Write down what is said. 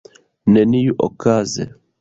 Neniuokaze.